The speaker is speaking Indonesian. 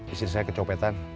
di sini saya kecopetan